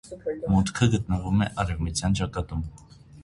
Մուտքը գտնվում է արևմտյան ճակատում։